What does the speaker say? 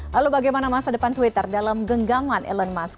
lalu bagaimana masa depan twitter dalam genggaman elon musk